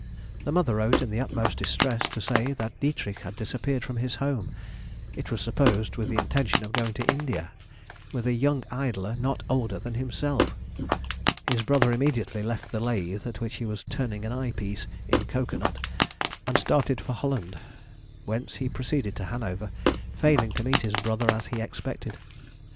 The mother wrote, in the utmost distress, to say that Dietrich had disappeared from his home, it was supposed with the intention of going to India "with a young idler not older than himself." His brother immediately left the lathe at which he was turning an eye piece in cocoanut, and started for Holland, whence he proceeded to Hanover, failing to meet his brother as he expected.